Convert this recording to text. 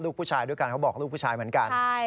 ผู้ชายด้วยกันเขาบอกลูกผู้ชายเหมือนกัน